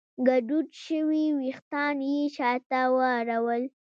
ګډوډ شوي وېښتان يې شاته واړول.